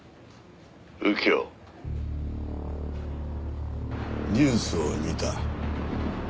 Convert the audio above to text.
「右京」ニュースを見た。